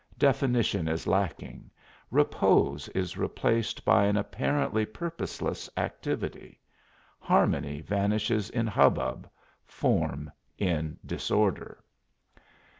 Definition is lacking; repose is replaced by an apparently purposeless activity; harmony vanishes in hubbub, form in disorder.